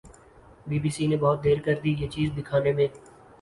Be B C نے بہت دیر کردی یہ چیز دکھانے میں۔